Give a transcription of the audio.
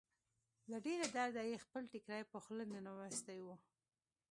له ډېره درده يې خپل ټيکری په خوله ننوېستی و.